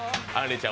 ちゃん